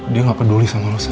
dia gak peduli sama lo sa